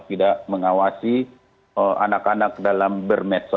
tidak mengawasi anak anak dalam bermedsos